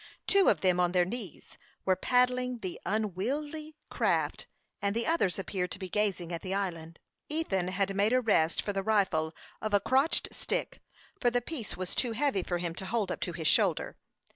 Two of them, on their knees, were paddling the unwieldy craft, and the others appeared to be gazing at the island. Ethan had made a rest for the rifle of a crotched stick, for the piece was too heavy for him to hold up to his shoulder.